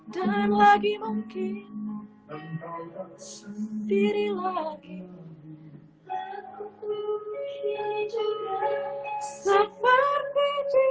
dan lagi mungkin sendiri lagi